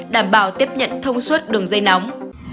đảm bảo tiếp nhận thông suất đường dây nóng